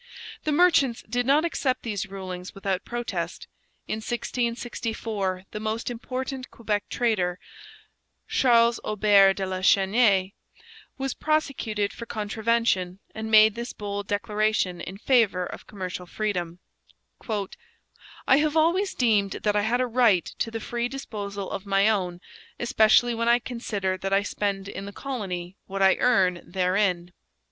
The merchants did not accept these rulings without protest. In 1664 the most important Quebec trader, Charles Aubert de la Chesnaye, was prosecuted for contravention, and made this bold declaration in favour of commercial freedom: 'I have always deemed that I had a right to the free disposal of my own, especially when I consider that I spend in the colony what I earn therein.'